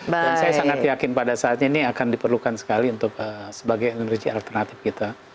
dan saya sangat yakin pada saat ini akan diperlukan sekali untuk sebagai energi alternatif kita